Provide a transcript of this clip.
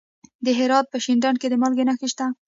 د هرات په شینډنډ کې د مالګې نښې شته.